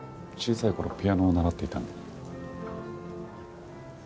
小さい頃ピアノを習っていたので。